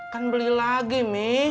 kan beli lagi mi